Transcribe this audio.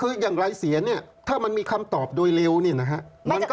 คืออย่างไรเสียเนี่ยถ้ามันมีคำตอบโดยเร็วเนี่ยนะฮะ